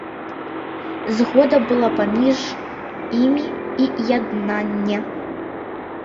Згода была паміж імі і яднанне.